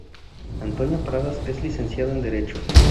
Antonio Pradas es licenciado en Derecho.